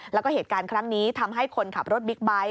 แล้วก็เหตุการณ์ครั้งนี้ทำให้คนขับรถบิ๊กไบท์